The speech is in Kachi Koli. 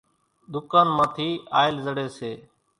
ۮُڪانَ مان ٿِي آئل زڙيَ سي۔